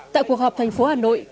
tại cuộc họp tp hà nội